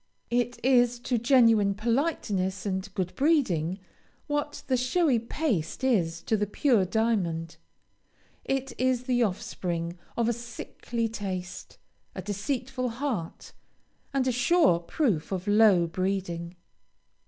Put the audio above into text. It is to genuine politeness and good breeding, what the showy paste is to the pure diamond. It is the offspring of a sickly taste, a deceitful heart, and a sure proof of low breeding.